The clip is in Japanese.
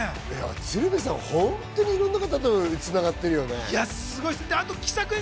鶴瓶さん、本当いろんな方と繋がってるよね。